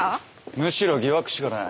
むしろ疑惑しかない。